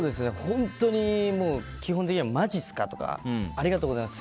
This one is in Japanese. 本当に基本的にはマジすか？とかありがとうございます。